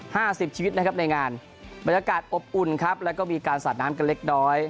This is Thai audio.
สิบชีวิตนะครับในงานบรรยากาศอบอุ่นครับแล้วก็มีการสาดน้ำกันเล็กน้อย